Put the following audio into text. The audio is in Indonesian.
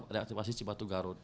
reaktivasi cibatu garut